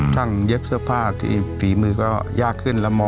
เย็บเสื้อผ้าที่ฝีมือก็ยากขึ้น